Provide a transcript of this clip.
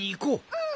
うん！